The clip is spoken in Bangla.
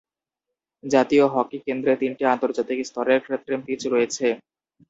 জাতীয় হকি কেন্দ্রে তিনটি আন্তর্জাতিক স্তরের কৃত্রিম পিচ রয়েছে।